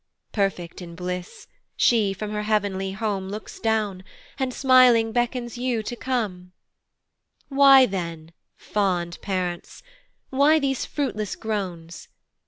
Perfect in bliss she from her heav'nly home Looks down, and smiling beckons you to come; Why then, fond parents, why these fruitless groans?